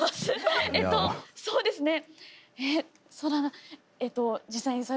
あのそうですね